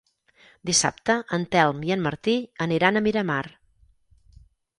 Dissabte en Telm i en Martí aniran a Miramar.